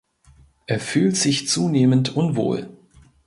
Er fühlt sich zunehmend unwohl.